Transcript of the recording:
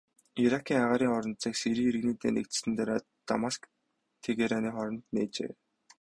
Иракийн агаарын орон зайг Сирийн иргэний дайн дэгдсэний дараа Дамаск-Тегераны хооронд нээжээ.